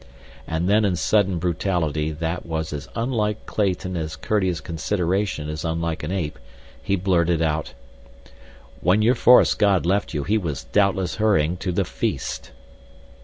And then in sudden brutality that was as unlike Clayton as courteous consideration is unlike an ape, he blurted out: "When your forest god left you he was doubtless hurrying to the feast."